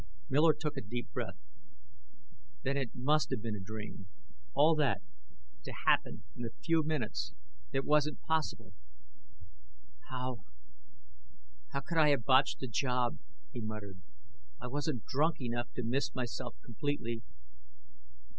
Miller took a deep breath. Then it must have been a dream. All that to happen in a few minutes It wasn't possible! "How how could I have botched the job?" he muttered. "I wasn't drunk enough to miss myself completely."